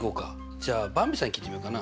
じゃあばんびさんに聞いてみようかな。